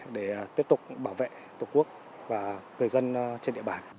để tiếp tục bảo vệ tổ quốc và người dân trên địa bàn